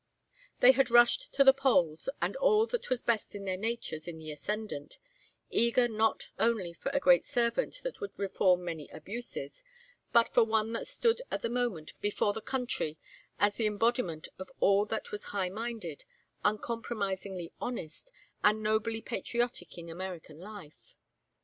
They had rushed to the polls with all that was best in their natures in the ascendant, eager not only for a great servant that would reform many abuses, but for one that stood at the moment before the country as the embodiment of all that was high minded, uncompromisingly honest, and nobly patriotic in American life.